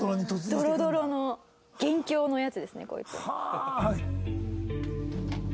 ドロドロの元凶のやつですねこいつ。